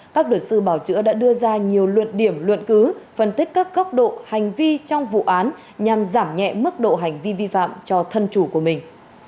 các luật sư bảo chữa đã đưa ra nhiều luật điểm luận cứ phân tích các cấp độ hành vi trong vụ án nhằm giảm nhẹ mức độ hành vi vi phạm cho thân chủ của mình